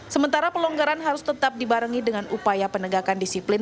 sementara pelonggaran harus tetap dibarengi dengan upaya penegakan disiplin